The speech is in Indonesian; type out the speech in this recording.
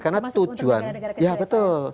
karena tujuan ya betul